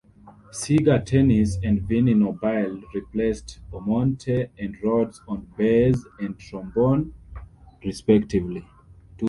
Seager Tennis and Vinny Nobile replaced Omonte and Rhodes on bass and trombone respectively.